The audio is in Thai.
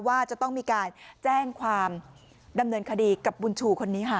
ว่าจะต้องมีการแจ้งความดำเนินคดีกับบุญชูคนนี้ค่ะ